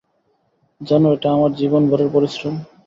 জানো এটা আমার জীবনভরের পরিশ্রম?